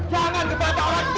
jangan ngebantah orang tua